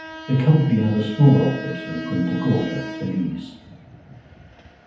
The company has a small office in Punta Gorda, Belize.